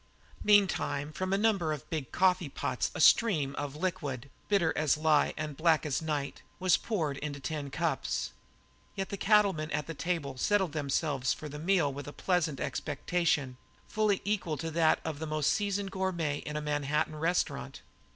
Meantime from a number of big coffee pots a stream of a liquid, bitter as lye and black as night, was poured into the tin cups. Yet the cattlemen about the table settled themselves for the meal with a pleasant expectation fully equal to that of the most seasoned gourmand in a Manhattan restaurant.